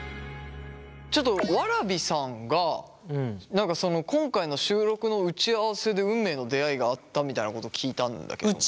ちょっとわらびさんが何かその今回の収録の打ち合わせで運命の出会いがあったみたいなことを聞いたんだけども。